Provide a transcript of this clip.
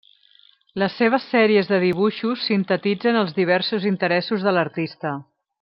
Les seves sèries de dibuixos sintetitzen els diversos interessos de l'artista.